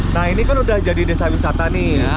nah ini kan udah jadi desa wisata nih ya